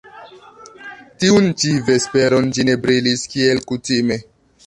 Tiun ĉi vesperon ĝi ne brilis kiel kutime.